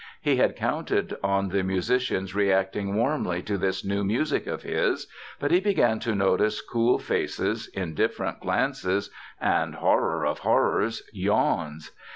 He had counted on the musicians reacting warmly to this new music of his, but he began to notice cool faces, indifferent glances, and—horror of horrors—yawns.